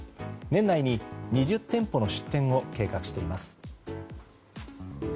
年内に２０店舗の出店を計画しています。